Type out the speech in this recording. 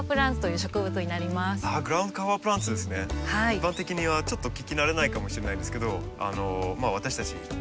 一般的にはちょっと聞き慣れないかもしれないんですけどまあ私たちよく使いますよね。